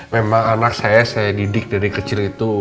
memang anak saya saya didik dari kecil itu